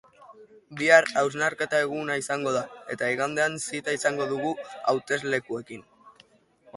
Bihar hausnarketa eguna izango da, eta igandean zita izango dugu hauteslekuekin.